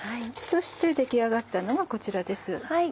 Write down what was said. そして出来上がったのがこちらです。